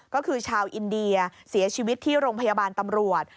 ก็คือชาวอินเดียเสียชีวิตที่โรงพยาบาลตำรวจ